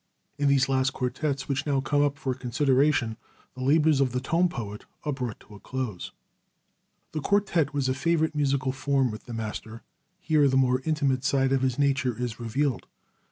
In the last quartets which now come up for consideration, the labors of the tone poet are brought to a close. The quartet was a favorite musical form with the master. Here the more intimate side of his nature is revealed.